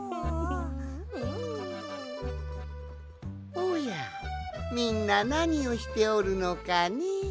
おやみんななにをしておるのかね？